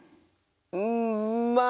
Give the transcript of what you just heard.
うんまあ